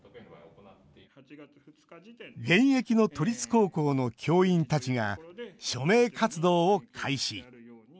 現役の都立高校の教員たちが署名活動を開始。